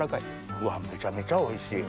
うわめちゃめちゃおいしい。